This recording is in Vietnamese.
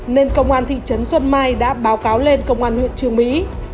nên công an thị trấn xuân mai đã báo cáo lên công an huyện trương mỹ